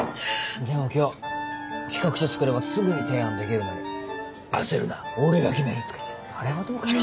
でも今日企画書作ればすぐに提案できるのに「焦るな俺が決める」とか言ってあれはどうかな。